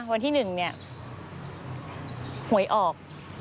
วันที่๑หวยออก